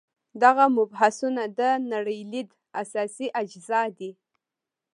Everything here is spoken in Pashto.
دغه مبحثونه د نړۍ لید اساسي اجزا دي.